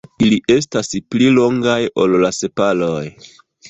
Ili estas pli longaj ol la sepaloj.